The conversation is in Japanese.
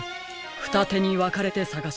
ふたてにわかれてさがしましょう。